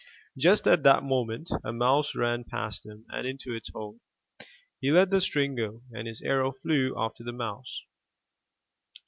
Just at that moment a mouse ran past him and into its hole. He let the string go, and his arrow flew after the mouse.